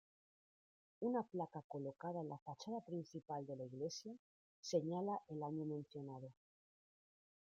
Una placa colocada en la fachada principal de la iglesia, señala el año mencionado.